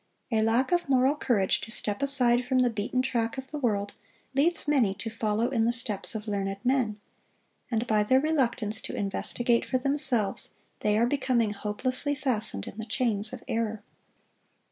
A lack of moral courage to step aside from the beaten track of the world, leads many to follow in the steps of learned men; and by their reluctance to investigate for themselves, they are becoming hopelessly fastened in the chains of error.